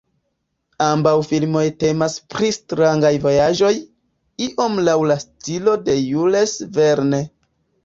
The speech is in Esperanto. Ambaŭ filmoj temas pri strangaj vojaĝoj, iom laŭ la stilo de Jules Verne.